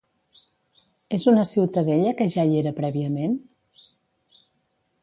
És una ciutadella que ja hi era prèviament?